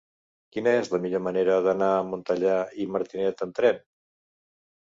Quina és la millor manera d'anar a Montellà i Martinet amb tren?